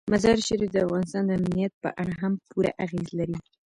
مزارشریف د افغانستان د امنیت په اړه هم پوره اغېز لري.